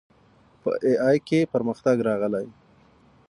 په اې ای کې پرمختګ راغلی.